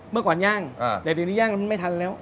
เมื่อก่อนย่างแต่เดี๋ยวนี้ย่างมันไม่ทันแล้ว